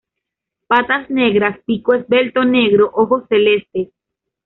Patas negras, pico esbelto negro, ojos celestes.